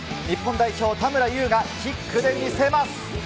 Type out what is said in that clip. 日本代表、田村優がキックで見せます。